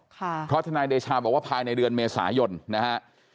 เพราะทนายเดชาบอกว่าภายในเดือนเมษายนนะฮะ